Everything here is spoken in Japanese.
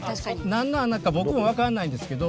何の穴か僕も分からないんですけど。